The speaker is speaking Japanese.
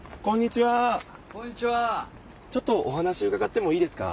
ちょっとお話うかがってもいいですか？